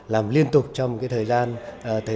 làm liên tục trong cái thời gian đó